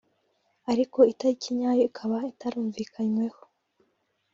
ariko itariki nyayo ikaba itarumvikanyweho